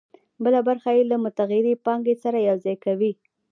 بله برخه یې له متغیرې پانګې سره یوځای کوي